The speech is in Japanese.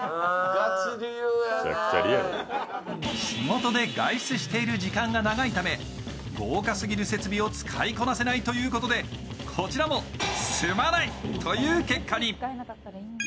仕事で外出している時間が長いため豪華すぎる設備を使いこなせないということで、こちらも住まないという結果に。